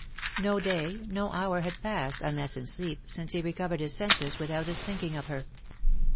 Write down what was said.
No day, no hour had passed, unless in sleep, since he recovered his senses, without his thinking of her.